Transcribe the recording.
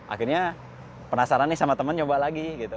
akhirnya penasaran nih sama temen coba lagi gitu